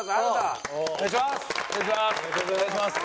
お願いします